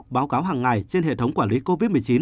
báo cáo hàng ngày trên hệ thống quản lý covid một mươi chín